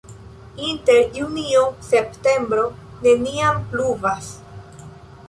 Inter junio-septembro neniam pluvas.